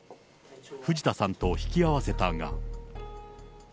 藤田さんと引き合わせたが。